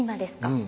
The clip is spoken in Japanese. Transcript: うん。